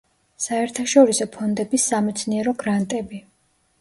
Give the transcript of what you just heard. საერთაშორისო ფონდების სამეცნიერო გრანტები.